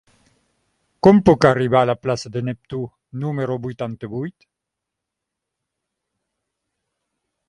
Com puc arribar a la plaça de Neptú número vuitanta-vuit?